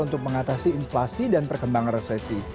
untuk mengatasi inflasi dan perkembangan resesi